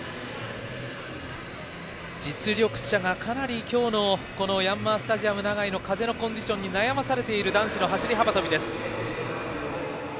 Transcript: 実力者がかなり今日のこのヤンマースタジアム長居の風のコンディションに悩まされている男子の走り幅跳び。